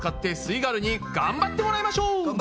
イガールに頑張ってもらいましょう！